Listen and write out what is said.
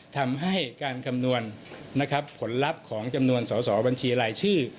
ทำให้การคำนวณผลลัพธ์ของจำนวนสอสอบัญชีรายชื่อ